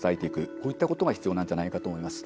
こういったことが必要なんじゃないかと思います。